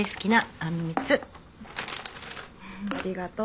ありがとう。